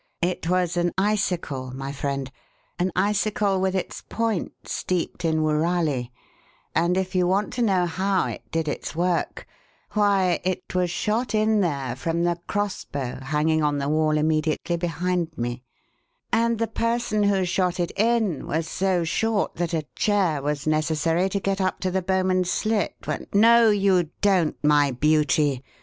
It was an icicle, my friend, an icicle with its point steeped in woorali, and if you want to know how it did its work why, it was shot in there from the cross bow hanging on the wall immediately behind me, and the person who shot it in was so short that a chair was necessary to get up to the bowman's slit when No, you don't, my beauty!